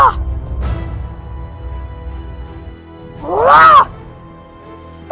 untuk membuat benih